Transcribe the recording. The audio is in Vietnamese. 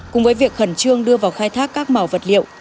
cùng với việc khẩn trương đưa vào khai thác các mỏ vật liệu